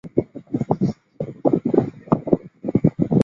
一位名为帽子宝宝的小女孩尝试通过宇宙飞船回到她的家乡。